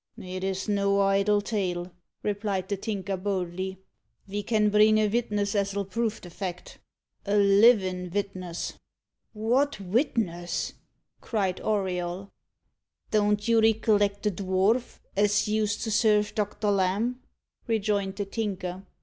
"It is no idle tale," replied the Tinker boldly. "Ve can bring a vitness as'll prove the fact a livin' vitness." "What witness?" cried Auriol. "Don't you reckilect the dwarf as used to serve Doctor Lamb?" rejoined the Tinker.